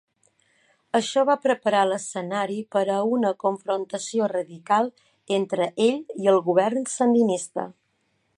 Això va preparar l'escenari per a una confrontació radical entre ell i el govern sandinista.